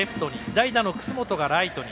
代打の楠本がライトに。